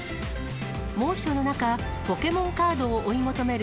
猛暑の中、ポケモンカードを追い求める